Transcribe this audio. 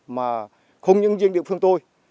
mà không những dân địa phương tôi